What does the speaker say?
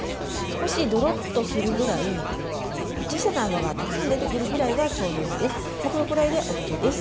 少しドロッとするぐらい小さな泡がたくさん出てくるぐらいがちょうどいいです。